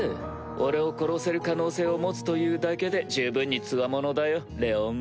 俺を殺せる可能性を持つというだけで十分に強者だよレオン。